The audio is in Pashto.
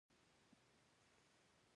شېخ قاسم دشېخ قدر زوی دﺉ.